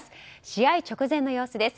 試合直前の様子です。